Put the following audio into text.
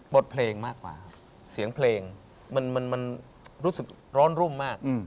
บทเพลงมากกว่าครับเสียงเพลงมันรู้สึกร้อนรุ่มมาก